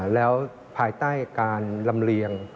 แล้วภายใต้การลำเลียง